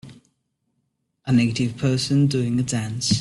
A native person doing a dance.